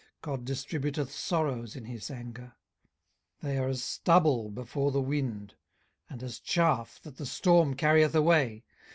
God distributeth sorrows in his anger. 18:021:018 They are as stubble before the wind, and as chaff that the storm carrieth away.